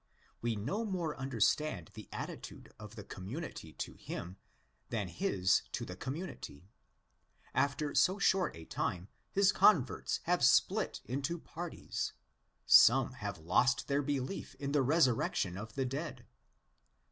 We no more understand the attitude of the community to him than his to the community. After so short a time, his converts have split into parties. Some have lost their belief in the resurrection of the dead (xv.